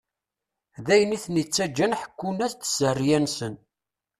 D ayen iten-ittaǧǧan ḥekkun-as-d sseriya-nsen.